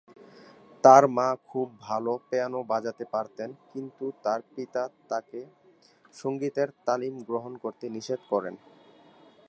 তার মা খুব ভালো পিয়ানো বাজাতে পারতেন, কিন্তু তার পিতা তাকে সঙ্গীতের তালিম গ্রহণ করতে নিষেধ করেন।